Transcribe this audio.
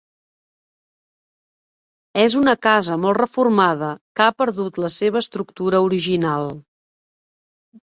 És una casa molt reformada que ha perdut la seva estructura original.